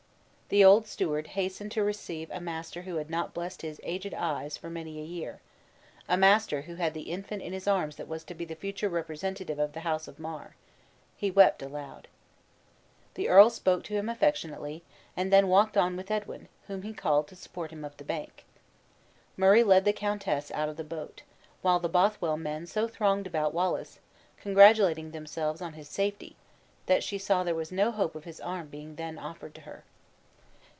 The old steward hastened to receive a master who had not blessed his aged eyes for many a year; a master who had the infant in his arms that was to be the future representative of the house of Mar, he wept aloud. The earl spoke to him affectionately, and then walked on with Edwin, whom he called to support him up the bank. Murray led the countess out of the boat; while the Bothwell men so thronged about Wallace, congratulating themselves on his safety, that she saw there was no hope of his arm being then offered to her.